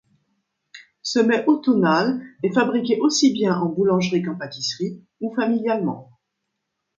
Ce mets automnal est fabriqué aussi bien en boulangerie qu'en pâtisserie ou familialement.